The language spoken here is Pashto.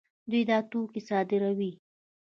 دوی دا توکي صادروي.